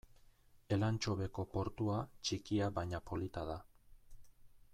Elantxobeko portua txikia baina polita da.